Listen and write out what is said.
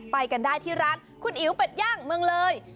ไปกันได้ที่ร้านคุณอิ๋วเป็ดย่างเมืองเลย